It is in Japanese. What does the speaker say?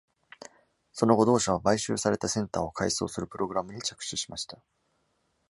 その後、同社は買収されたセンターを改装するプログラムに着手しました。